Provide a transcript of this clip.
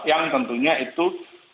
yang tentunya itu ya